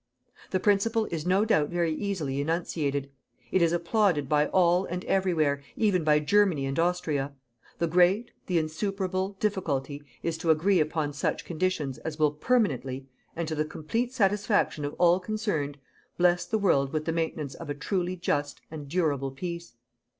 The principle is no doubt very easily enunciated. It is applauded by all and every where, even by Germany and Austria. The great, the insuperable, difficulty is to agree upon SUCH CONDITIONS as will PERMANENTLY, and to the COMPLETE SATISFACTION OF ALL CONCERNED, bless the world with the maintenance of a TRULY JUST AND DURABLE PEACE.